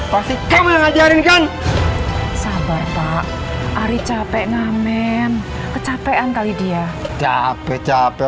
pasti kamu ngajarin kan sabar pak ari capek ngamen kecapean kali dia capek capek